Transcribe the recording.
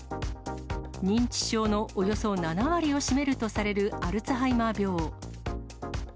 認知症のおよそ７割を占めるとされるアルツハイマー病。